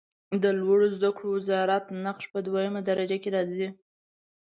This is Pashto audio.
د لوړو زده کړو وزارت نقش په دویمه درجه کې راځي.